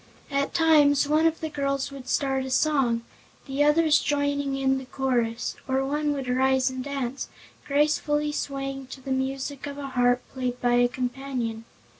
At times one of the girls would start a song, the others joining in the chorus, or one would rise and dance, gracefully swaying to the music of a harp played by a companion.